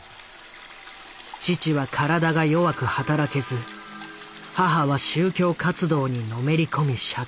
父は体が弱く働けず母は宗教活動にのめり込み借金まみれ。